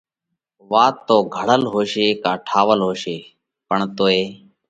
وات تو گھڙل هوشي ڪا ٺاول هوشي پڻ توئي